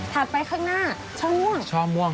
ถัดไปข้างหน้าช่อม่วง